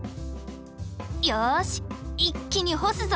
よし一気に干すぞ！